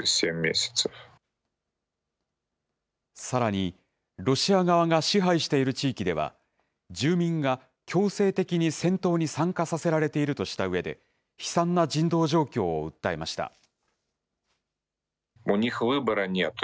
さらに、ロシア側が支配している地域では、住民が強制的に戦闘に参加させられているとしたうえで、悲惨な人道状況を訴えました。